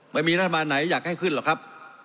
ไม่มีรัฐบาลไหนอยากให้ขึ้นหรอกครับ